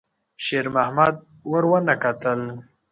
شېرمحمد ور ونه کتل.